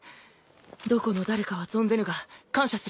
どこの誰かは存ぜぬが感謝する。